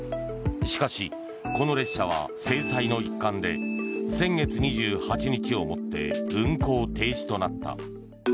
しかし、この列車は制裁の一環で先月２８日をもって運行停止となった。